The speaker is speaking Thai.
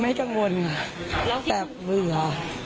ไม่กังวลแบบเบื่อ